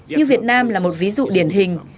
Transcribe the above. như việt nam là một ví dụ điển hình